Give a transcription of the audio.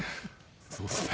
そうですね。